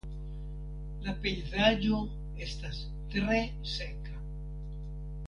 La pejzaĝo estas tre seka.